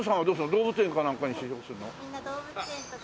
動物園かなんかに就職するの？